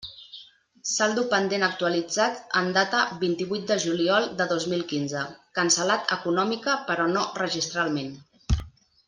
Saldo pendent actualitzat en data vint-i-vuit de juliol de dos mil quinze: cancel·lat econòmica però no registralment.